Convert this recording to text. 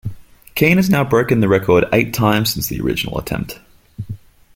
Keene has now broken the record eight times since the original attempt.